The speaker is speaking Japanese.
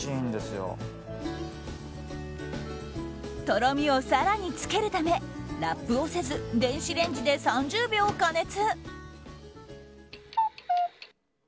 とろみを更につけるためラップをせず電子レンジで３０秒加熱。